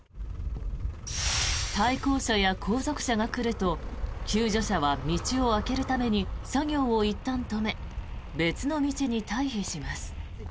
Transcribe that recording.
対向車や後続車が来ると救助車は道を空けるために作業をいったん止め別の道に退避します。